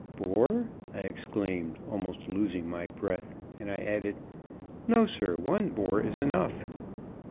"Boar!" I exclaimed, almost losing my breath; and I added: "No, sir; one boar is enough."